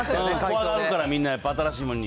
怖いから、みんな、やっぱ新しいものに。